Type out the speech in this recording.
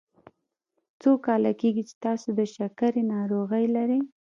څو کاله کیږي چې تاسو د شکرې ناروغي لری؟